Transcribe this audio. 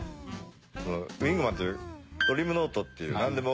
『ウイングマン』ってドリムノートっていうなんでも。